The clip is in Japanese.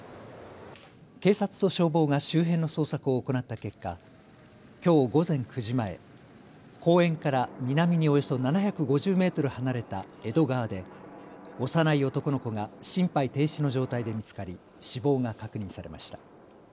警察と消防が周辺の捜索を行った結果、きょう午前９時前、公園から南におよそ７５０メートル離れた江戸川で幼い男の子が心肺停止の状態で見つかり死亡が確認されました。